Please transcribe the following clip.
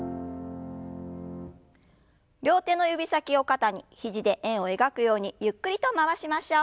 両手の指先を肩に肘で円を描くようにゆっくりと回しましょう。